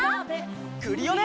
クリオネ！